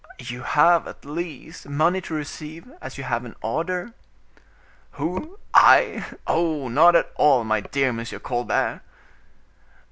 "You have, at least, money to receive, as you have an order?" "Who, I? Oh! not at all, my dear Monsieur Colbert."